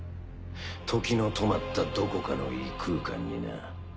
時の止まったどこかの異空間にな。